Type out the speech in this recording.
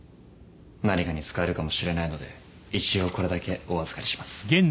何かに使えるかもしれないので一応これだけお預かりします